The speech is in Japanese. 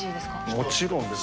もちろんです。